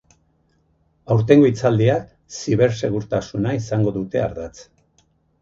Aurtengo hitzaldiak zibersegurtasuna izango dute ardatz.